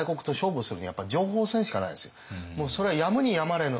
その中でもうそれはやむにやまれぬ。